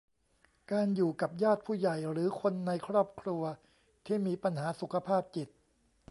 การอยู่กับญาติผู้ใหญ่หรือคนในครอบครัวที่มีปัญหาสุขภาพจิต